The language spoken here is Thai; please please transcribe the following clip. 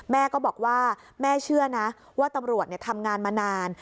แม่ก็บอกว่าแม่เชื่อนะว่าตำรวจทำงานมานาน